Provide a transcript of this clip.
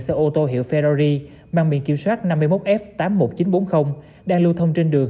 xe ô tô hiệu ferrari mang biển kiểm soát năm mươi một f tám mươi một nghìn chín trăm bốn mươi đang lưu thông trên đường